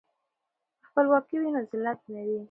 که خپلواکي وي نو ذلت نه وي.